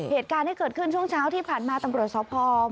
เหตุการณ์ที่เกิดขึ้นช่วงเช้าที่ผ่านมาตำรวจสพ